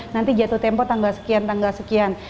nanti jatuh tempo tanggal sekian tanggal sekian